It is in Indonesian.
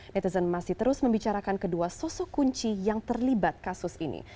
netizen masih terus membicarakan kedua sosok kunci yang terlibat kasus ini